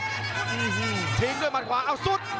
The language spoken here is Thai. อื้อฮือทิ้งด้วยมัดขวาเอาสุด